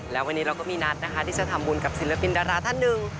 และวันนี้เราก็มีหนัตรที่จะทำบุญกับศิลปินดราธนึง